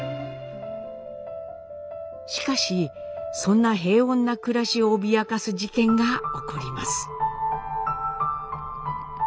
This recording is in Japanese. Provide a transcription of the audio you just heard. しかしそんな平穏な暮らしを脅かす事件が起こります。